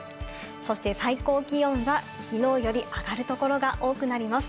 そして最高気温はきのうより上がる所が多くなります。